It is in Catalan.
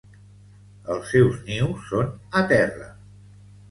Els seus nius són a terra.